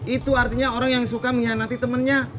itu artinya orang yang suka mengkhianati temannya